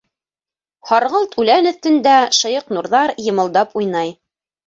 Һарғылт үлән өҫтөндә шыйыҡ нурҙар йымылдап уйнай.